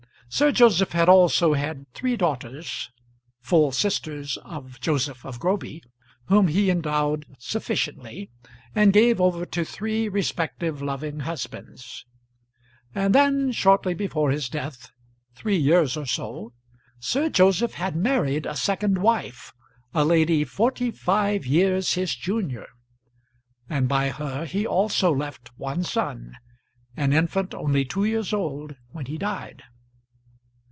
Sir Joseph had also had three daughters, full sisters of Joseph of Groby, whom he endowed sufficiently and gave over to three respective loving husbands. And then shortly before his death, three years or so, Sir Joseph had married a second wife, a lady forty five years his junior, and by her he also left one son, an infant only two years old when he died.